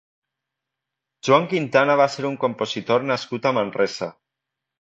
Joan Quintana va ser un compositor nascut a Manresa.